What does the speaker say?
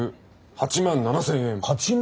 ８万７，０００円？